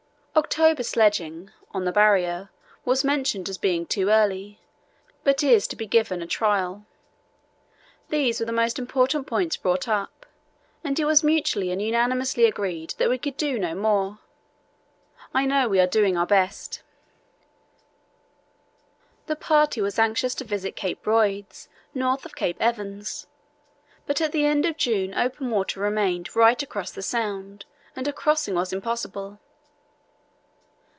October sledging (on the Barrier) was mentioned as being too early, but is to be given a trial. These were the most important points brought up, and it was mutually and unanimously agreed that we could do no more.... I know we are doing our best." [Illustration: A Newly frozen Lead] [Illustration: The Ross Sea Party] The party was anxious to visit Cape Royds, north of Cape Evans, but at the end of June open water remained right across the Sound and a crossing was impossible.